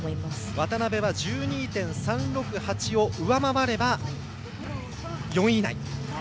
渡部は１２．３６８を上回れば４位以内。